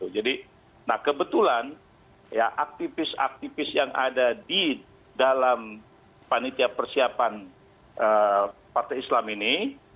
jadi nah kebetulan ya aktivis aktivis yang ada di dalam panitia persiapan partai islam ini